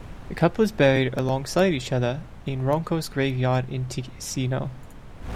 The couple is buried alongside each other in Ronco's graveyard in Ticino.